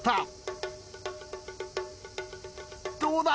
どうだ？